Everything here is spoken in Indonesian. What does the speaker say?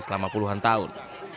selama puluhan tahun